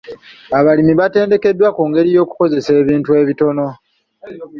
Abalimi batendekeddwa ku ngeri y'okukozesa ebintu ebitono.